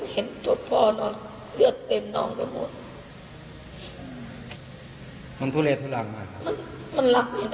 เห็นโทษพ่อนอนเลือดเต็มน้องทั้งหมด